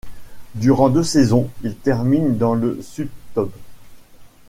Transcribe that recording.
Durant deux saisons, il termine dans le sub-top.